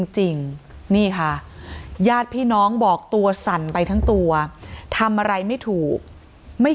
จริงนี่ค่ะญาติพี่น้องบอกตัวสั่นไปทั้งตัวทำอะไรไม่ถูกไม่